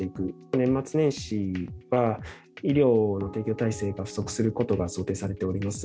年末年始は、医療の提供体制が不足することが想定されております。